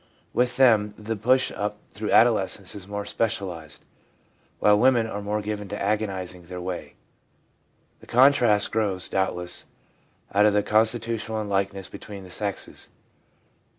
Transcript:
With them the push up through adolescence is more specialised, while women are more given to agonising their way. The contrast grows, doubtless, out of the constitutional unlikenesses between the sexes.